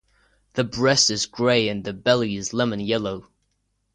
The breast is grey and the belly is lemon yellow.